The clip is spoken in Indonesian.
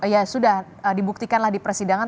ya sudah dibuktikanlah di persidangan